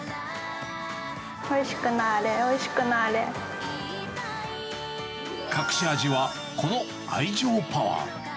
おいしくなぁれ、おいしくな隠し味は、この愛情パワー。